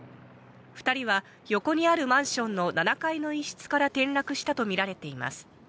２人は横にあるマンションの７階の一室から転落したとみられています。